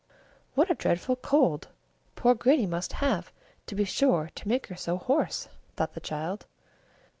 "What a dreadful cold poor Grannie must have, to be sure, to make her so hoarse," thought the child.